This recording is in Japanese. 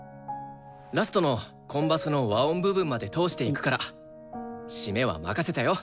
ラストのコンバスの和音部分まで通していくから締めは任せたよ。